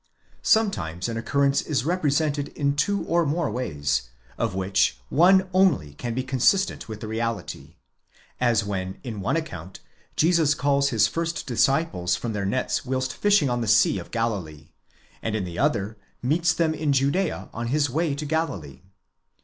Sometimes an occurrence is represented in two or more ways, of which one only can be consistent with the reality ; as when in one account Jesus calls his first disciples from their nets whilst fishing on the sea of Galilee, and in the other meets them in Judea on his way to Galilee.